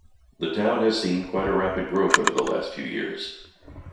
The town has seen quite a rapid growth over the last few years.